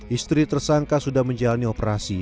istri tersangka sudah menjalani operasi